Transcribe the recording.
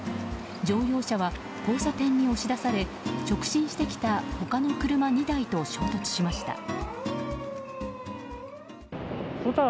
乗用車は交差点に押し出され直進してきた他の車２台と衝突しました。